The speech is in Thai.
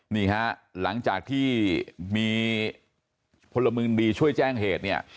นี่ฮะหลังจากที่มีพลเมืองดีช่วยแจ้งเหตุเนี่ย